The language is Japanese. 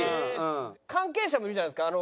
関係者もいるじゃないですか。